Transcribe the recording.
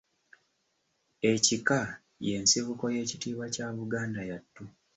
Ekika y’ensibuko y’ekitiibwa kya Buganda yattu.